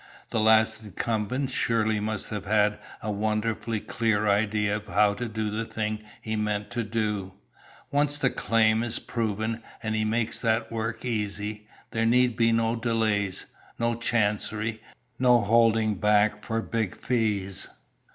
The last incumbent surely must have had a wonderfully clear idea of how to do the thing he meant to do. Once the claim is proven, and he makes that work easy, there need be no delays, no chancery, no holding back for big fees.